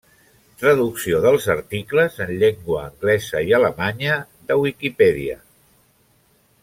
Traducció dels articles en llengua anglesa i alemanya de Wikipedia.